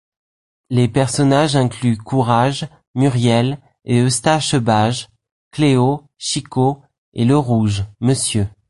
Les personnages incluent Courage, Muriel et Eustache Eubage, Cléo, Chico et Le Rouge, Mr.